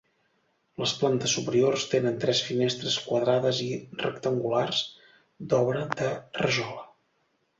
Les plantes superiors tenen tres finestres quadrades i rectangulars d'obra de rajola.